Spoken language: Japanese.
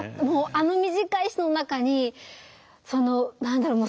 あの短い詩の中にその何だろう